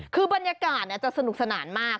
คือบรรยากาศจะสนุกสนานมาก